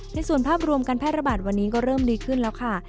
ในส่วนภาพรวมการแพร่ระบาดวันนี้ก็เริ่มดีขึ้นแล้วค่ะ